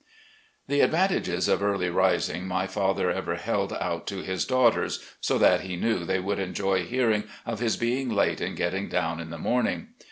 The advantages of early rising my father ever held out to his daughters, so that he knew they would enjoy hearing of his being late in getting down in the morning.